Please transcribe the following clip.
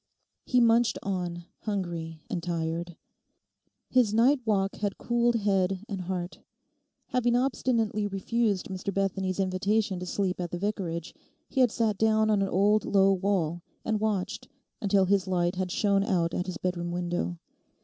He munched on, hungry and tired. His night walk had cooled head and heart. Having obstinately refused Mr Bethany's invitation to sleep at the Vicarage, he had sat down on an old low wall, and watched until his light had shone out at his bedroom window.